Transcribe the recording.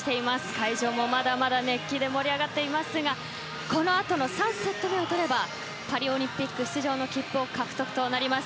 会場もまだまだ熱気で盛り上がっていますがこの後の３セット目を取ればパリオリンピック出場の切符獲得となります。